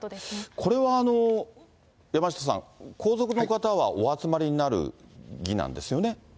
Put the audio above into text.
これは山下さん、皇族の方はお集まりになる儀なんですよね。